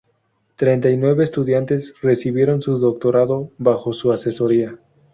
Treinta y nueve estudiantes recibieron su Doctorado bajo su asesoría.